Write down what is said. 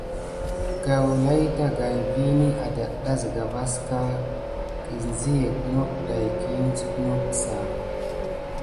Gawla ɗagaï vini adata sika vaska kisiyeke noke daki sunokbas.